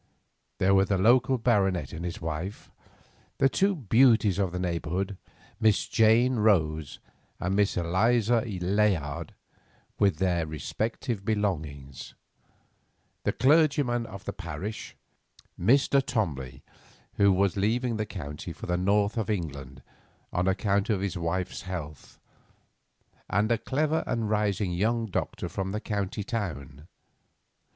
There were the local baronet and his wife; the two beauties of the neighbourhood, Miss Jane Rose and Miss Eliza Layard, with their respective belongings; the clergyman of the parish, a Mr. Tomley, who was leaving the county for the north of England on account of his wife's health; and a clever and rising young doctor from the county town.